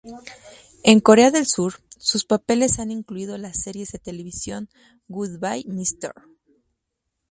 En Corea del Sur, sus papeles han incluido las series de televisión "Goodbye Mr.